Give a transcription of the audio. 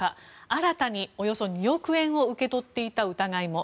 新たにおよそ２億円を受け取っていた疑いも。